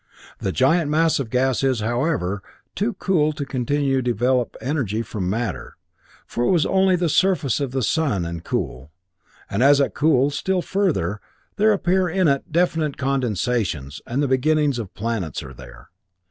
The giant mass of gas is, however, too cool to continue to develop energy from matter, for it was only the surface of the sun, and cool. As it cools still further, there appear in it definite condensations, and the beginnings of the planets are there.